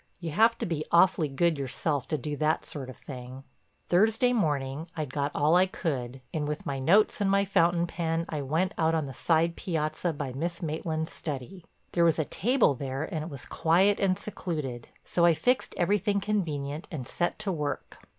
You have to be awfully good yourself to do that sort of thing. Thursday morning I'd got all I could and with my notes and my fountain pen I went out on the side piazza by Miss Maitland's study; there was a table there and it was quiet and secluded. So I fixed everything convenient and set to work.